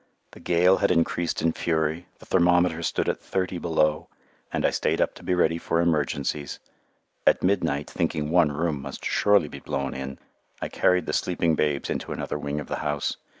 The gale had increased in fury, the thermometer stood at thirty below, and I stayed up to be ready for emergencies. At midnight, thinking one room must surely be blown in, I carried the sleeping babes into another wing of the house.